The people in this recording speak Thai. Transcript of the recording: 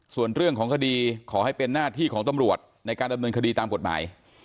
ส่วนเรื่องของคดีขอให้เป็นหน้าที่ของตำรวจในการดำเนินคดีตามกฎหมาย